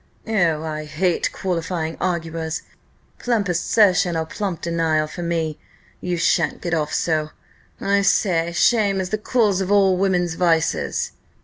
"Oh! I hate qualifying arguers plump assertion or plump denial for me: you sha'n't get off so. I say shame is the cause of all women's vices."